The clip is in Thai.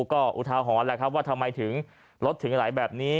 ก็อุทาหรณ์แหละครับว่าทำไมถึงรถถึงไหลแบบนี้